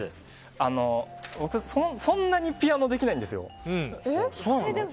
僕、そんなにピアノできないんですよ。